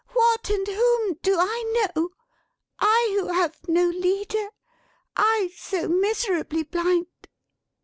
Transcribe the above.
"What and whom do I know! I who have no leader! I so miserably blind!"